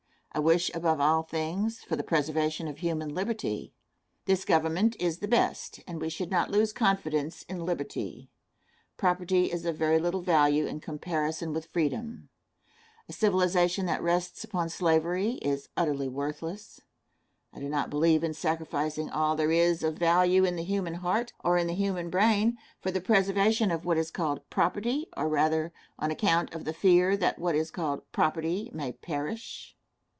I wish, above all things, for the preservation of human liberty. This Government is the best, and we should not lose confidence in liberty. Property is of very little value in comparison with freedom. A civilization that rests on slavery is utterly worthless. I do not believe in sacrificing all there is of value in the human heart, or in the human brain, for the preservation of what is called property, or rather, on account of the fear that what is called "property" may perish.